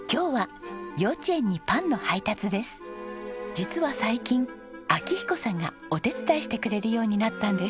実は最近明彦さんがお手伝いしてくれるようになったんです。